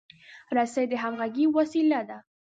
رسۍ د همغږۍ وسیله ده.